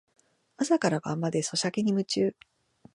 朝から晩までソシャゲに夢中